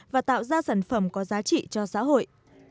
và tạo ra sản phẩm có giá trị cho xã hội